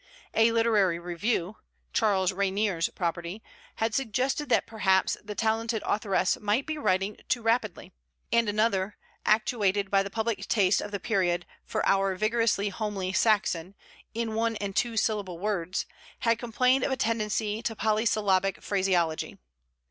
A Literary Review (Charles Rainer's property) had suggested that perhaps 'the talented authoress might be writing too rapidly'; and another, actuated by the public taste of the period for our 'vigorous homely Saxon' in one and two syllable words, had complained of a 'tendency to polysyllabic phraseology.'